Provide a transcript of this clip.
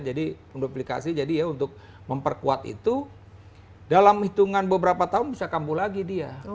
jadi pundoflication jadi ya untuk memperkuat itu dalam hitungan beberapa tahun bisa kampuh lagi dia